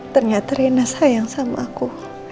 ternyata rina sayang sama aku